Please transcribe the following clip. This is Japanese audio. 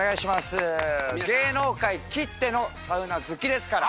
芸能界きってのサウナ好きですから。